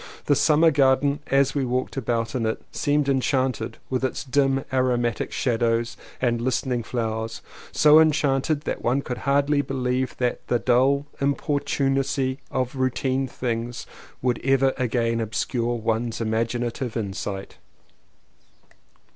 The summer garden as we walked about in it seemed enchanted with its dim aromatic shadows and listening flowers — so enchant ed that one could hardly believe that the dull importunacy of the routine of things would ever again obscure one's imaginative insight.